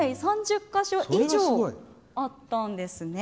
３０か所以上あったんです。